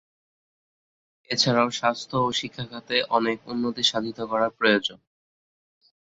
এছাড়াও স্বাস্থ্য ও শিক্ষা খাতে অনেক উন্নতি সাধিত করা প্রয়োজন।